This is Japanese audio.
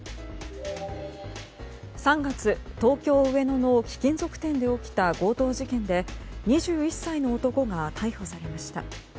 ３月、東京・上野の貴金属店で起きた強盗事件で２１歳の男が逮捕されました。